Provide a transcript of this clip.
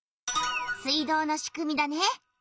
水道のしくみだね。